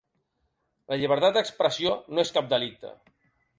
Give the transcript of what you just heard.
La llibertat d'expressió no és cap delicte.